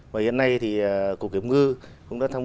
và hiện nay thì cục kiểm ngư cũng đã tham